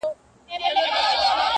خو وجدان يې ورسره دی تل,